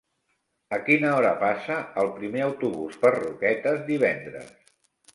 A quina hora passa el primer autobús per Roquetes divendres?